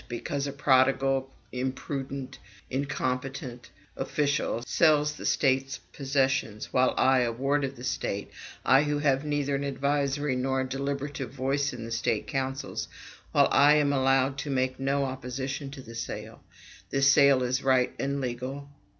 because a prodigal, imprudent, incompetent official sells the State's possessions, while I, a ward of the State, I who have neither an advisory nor a deliberative voice in the State councils, while I am allowed to make no opposition to the sale, this sale is right and legal!